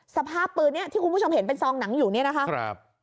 สภาพปืนนี้ที่คุณผู้ชมเห็นเป็นซองหนังอยู่เนี่ยนะคะ